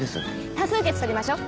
多数決採りましょう。